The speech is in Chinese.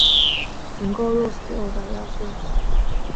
能够入流的要素。